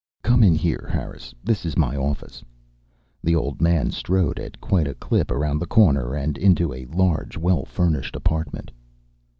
Come in here, Harris. This is my office." The old man strode at quite a clip, around the corner and into a large, well furnished apartment.